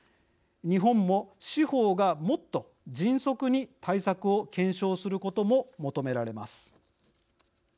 日本も、司法がもっと迅速に対策を検証することも求められます。